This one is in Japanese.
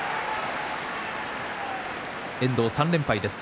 遠藤３連敗です。